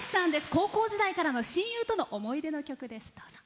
高校時代からの親友との思い出の曲です。